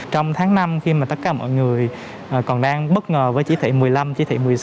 trong tháng năm khi mà tất cả mọi người còn đang bất ngờ với chỉ thị một mươi năm chỉ thị một mươi sáu